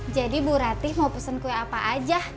jadi bu ratih mau pesen kue apa aja